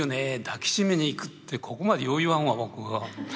「抱きしめに行く」ってここまでよう言わんわ僕は。